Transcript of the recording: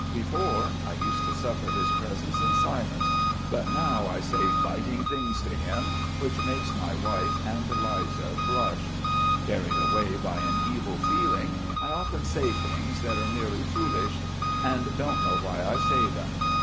Before, I used to suffer his presence in silence, but now I say biting things to him, which make my wife and Liza blush. Carried away by an evil feeling, I often say things that are merely foolish, end don't know why I say them.